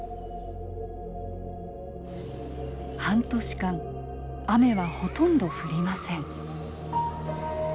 半年間雨はほとんど降りません。